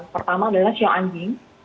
pertama adalah show anjing